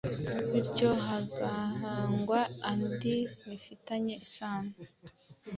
bityo hagahangwa andi bifitanye isano.